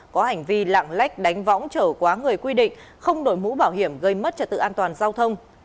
có hành vi lạng lách đánh võng trở quá người quy định không đổi mũ bảo hiểm gây mất trật tự an toàn giao thông